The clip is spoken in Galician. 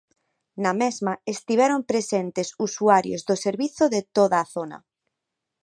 Na mesma, estiveron presentes usuarios do servizo de toda a zona.